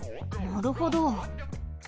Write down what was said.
なるほど。